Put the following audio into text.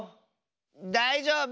だいじょうぶ！